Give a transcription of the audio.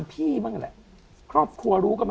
พี่น้องรู้ไหมว่าพ่อจะตายแล้วนะ